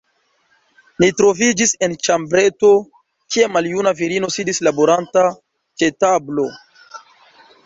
Ni troviĝis en ĉambreto, kie maljuna virino sidis laboranta ĉe tablo.